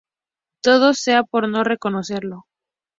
Todo sea por no reconocerlo